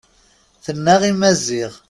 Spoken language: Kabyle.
Tenna i Maziɣ.